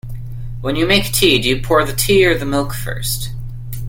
When you make tea, do you pour the tea or the milk first?